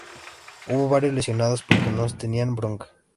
Hubo varios lesionados porque nos tenían bronca".